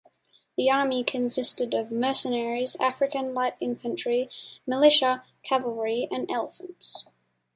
The army consisted of mercenaries, African light infantry, militia, cavalry, and elephants.